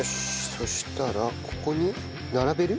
そしたらここに並べる？